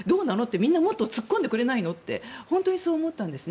みんなもっと突っ込んでくれないの？と本当にそう思ったんですね。